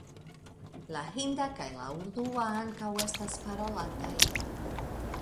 La hinda kaj la urdua ankaŭ estas parolataj.